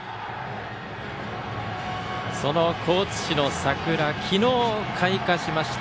その高知市の桜は昨日開花しました。